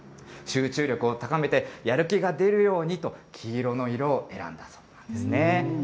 集中力を高めて、やる気が出るようにと、黄色の色を選んだそうなんですね。